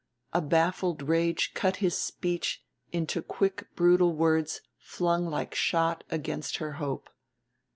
A baffled rage cut his speech into quick brutal words flung like shot against her hope.